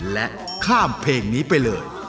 และข้ามเพลงนี้ไปเลย